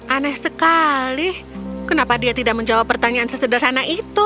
aneh sekali kenapa dia tidak menjawab pertanyaan sesederhana itu